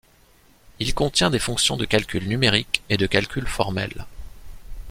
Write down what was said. Il contient des fonctions de calcul numérique et de calcul formel.